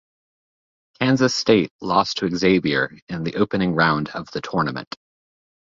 Kansas State lost to Xavier in the opening round of the tournament.